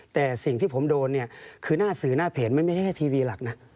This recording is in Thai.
แต่สิ่งที่ผมโดนเนี่ยคือหน้าสื่อหน้าเพจมันไม่ใช่แค่ทีวีหลักนะ